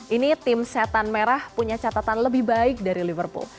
ini tim setan merah punya catatan lebih baik dari liverpool